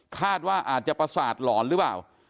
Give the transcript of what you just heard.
คาดว่าอาจจะประสาทหลอนหรือเปล่า